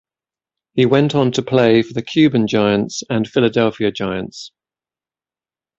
He went on to play for the Cuban Giants and Philadelphia Giants.